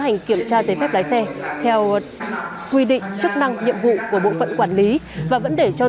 hành kiểm tra giấy phép lái xe theo quy định chức năng nhiệm vụ của bộ phận quản lý và vẫn để cho